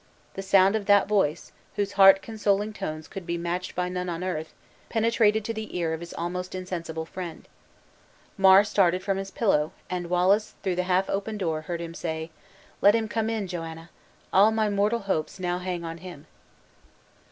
The sound of that voice, whose heart consoling tones could be matched by none on earth, penetrated to the ear of his almost insensible friend. Mar started from his pillow, and Wallace through the half open door heard him say: "Let him come in, Joanna! All my mortal hopes now hang on him."